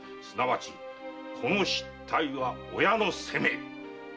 すなわち子の失態は親の責め。